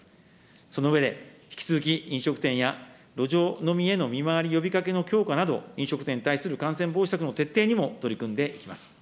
その上で、引き続き飲食店や路上飲みへの見回り、呼びかけの強化など飲食店に関する感染防止策の徹底にも取り組んでいきます。